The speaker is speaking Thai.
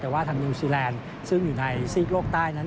แต่ว่าทางนิวซีแลนด์ซึ่งอยู่ในซีกโลกใต้นั้น